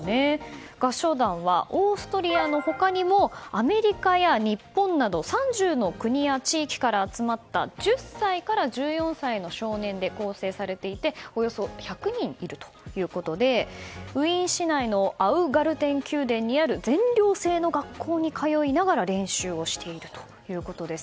合唱団はオーストリアの他にもアメリカや日本など３０の国や地域から集まった１０歳から１４歳の少年で構成されていておよそ１００人いるということでウィーン市内のアウガルテン宮殿にある全寮制の学校に通いながら練習をしているということです。